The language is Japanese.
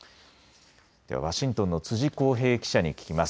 ワシントンの辻浩平記者に聞きます。